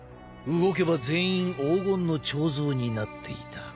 動けば全員黄金の彫像になっていた。